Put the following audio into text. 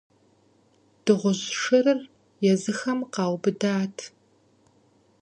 Дыгъужь шырыр езыхэм къаубыдат.